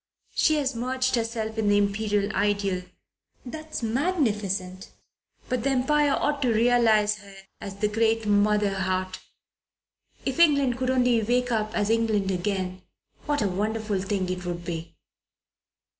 She has merged herself in the Imperial Ideal. That's magnificent; but the Empire ought to realize her as the great Motherheart. If England could only wake up as England again, what a wonderful thing it would be!"